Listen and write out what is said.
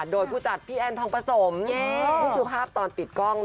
โดยผู้จัดพี่แอนทองผสมอื้อนี่คือภาพตอนปิดกล้องนะคะ